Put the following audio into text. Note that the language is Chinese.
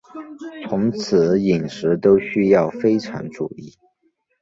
从此饮食都需要非常注意